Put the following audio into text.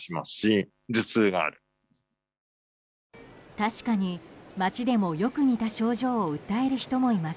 確かに街でもよく似た症状を訴える人もいます。